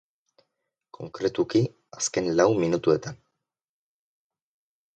Konkretuki, azken lau minutuetan.